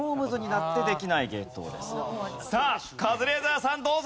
さあカズレーザーさんどうぞ！